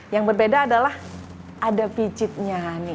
yang berbeda adalah ada pijitnya